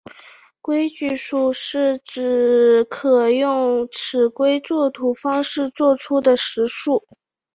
规矩数是指可用尺规作图方式作出的实数。